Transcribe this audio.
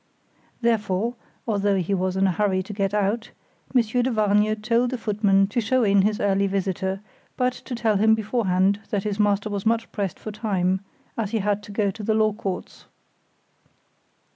Therefore, although he was in a hurry to get out, Monsieur de Vargnes told the footman to show in his early visitor, but to tell him beforehand that his master was much pressed for time, as he had to go to the Law Courts.